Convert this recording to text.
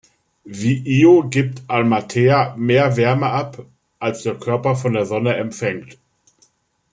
Wie Io gibt Amalthea mehr Wärme ab, als der Körper von der Sonne empfängt.